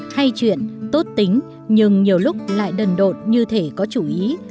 hay chuyện tốt tính nhưng nhiều lúc lại đần độn như thể có chủ ý